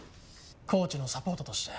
コーチのサポートとして。